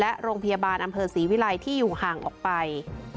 และโรงพยาบาลอำเภอศรีวิลัยที่อยู่ห่างออกไป